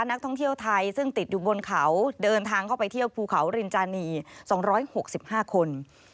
นักท่องเที่ยวไทยซึ่งติดอยู่บนเขาเดินทางเข้าไปเที่ยวภูเขารินจานี๒๖๕คน